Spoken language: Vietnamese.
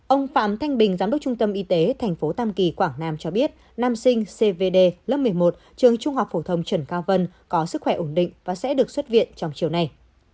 ông phạm thanh bình giám đốc trung tâm y tế tp tam kỳ quảng nam cho biết nam sinh cvd lớp một mươi một trường trung học phổ thông trần cao vân có sức khỏe ổn định và sẽ được xuất viện trong chiều nay